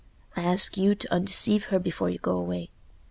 I ask you t' undeceive her before you go away.